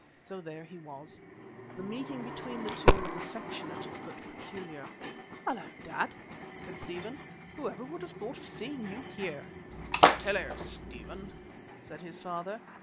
So there he was. The meeting between the two was affectionate but peculiar. "Hullo, dad!" said Stephen. "Whoever would have thought of seeing you here?" "Hullo, Stephen," said his father.